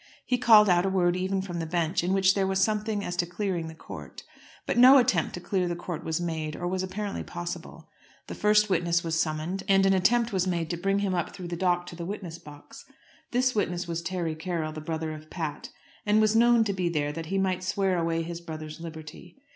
He called out a word even from the bench in which there was something as to clearing the court; but no attempt to clear the court was made or was apparently possible. The first witness was summoned, and an attempt was made to bring him up through the dock into the witness box. This witness was Terry Carroll, the brother of Pat, and was known to be there that he might swear away his brother's liberty.